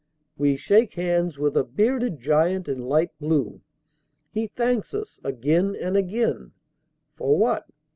We shake hands with a bearded giant in light blue. He thanks us again and again for what?